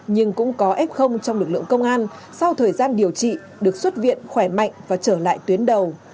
nhưng cũng có f trong lực lượng công an sau thời gian điều trị được xuất viện khỏe mạnh và trở lại tuyến đầu